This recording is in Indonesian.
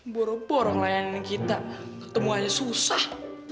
bor bor ngelayanin kita ketemu aja susah